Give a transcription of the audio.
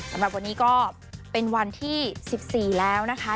สำหรับวันนี้ก็เป็นวันที่๑๔แล้วนะคะ